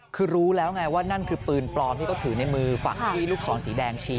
คือรู้แล้วไงว่านั่นคือปืนปลอมที่เขาถือในมือฝั่งที่ลูกศรสีแดงชี้